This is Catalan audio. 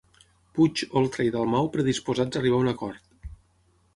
Puig, Oltra i Dalmau predisposats a arribar a un acord